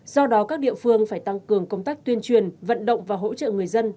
do đó các địa phương phải tăng cường công tác tuyên truyền vận động và hỗ trợ người dân